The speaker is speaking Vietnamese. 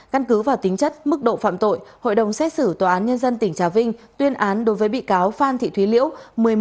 căn cứ vào tính chất mức độ phạm tội hội đồng xét xử tòa án nhân dân tỉnh trà vinh tuyên án đối với bị cáo phan thị thúy liễu